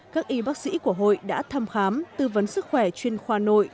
các y bác sĩ của hội đã thăm khám tư vấn sức khỏe chuyên khoa nội